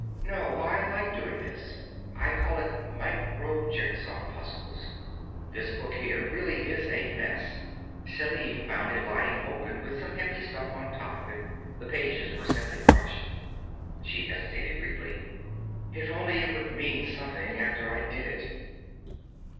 "No, I like doing this. I call it micro jigsaw puzzles. This book, here, really is a mess. Selim found it lying open, with some heavy stuff on top of it; the pages were simply crushed." She hesitated briefly. "If only it would mean something, after I did it."